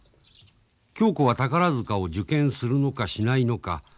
恭子は宝塚を受験するのかしないのか。